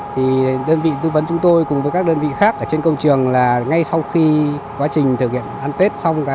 thì đơn vị tư vấn chúng tôi cùng với các đơn vị khác ở trên công trường là ngay sau khi quá trình thực hiện ăn tết xong